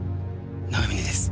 長嶺です。